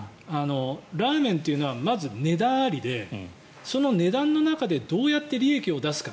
ラーメンというのはまず値段ありでその値段の中でどうやって利益を出すか。